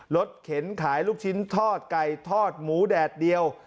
เข็นขายลูกชิ้นทอดไก่ทอดหมูแดดเดียว